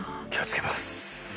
気をつけます！